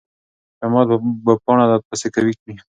شمال به پاڼه لا پسې قوي کړي.